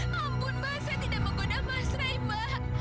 mampun pak saya tidak menggoda mas ray mbak